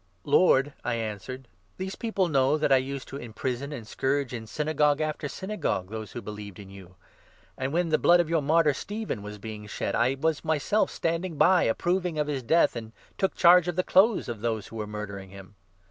' Lord,' 19 I answered, ' these people know that I used to imprison and scourge, in Synagogue after Synagogue, those who believed in you ; and, when the blood of your martyr, Stephen, was being 20 shed, I was myself standing by, approving of his death, and took charge of the clothes of those who were murdering him.